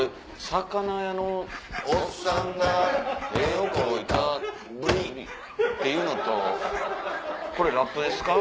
魚屋のおっさんがへをこいたブリっっていうのとこれラップですか？